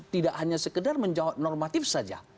tidak hanya sekedar menjawab normatif saja